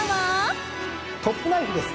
トップナイフです。